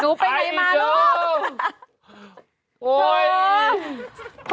หนูไปไหนมาล่ะ